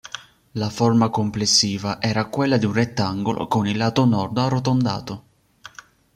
La forma complessiva era quella di un rettangolo con il lato nord arrotondato.